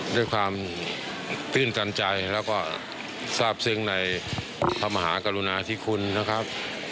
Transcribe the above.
ด้วยความตื้นตันใจแล้วก็ทราบซึ้งในพระมหากรุณาธิคุณนะครับ